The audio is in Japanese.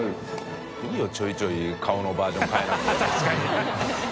いいちょいちょい顔のバージョン変えなくても。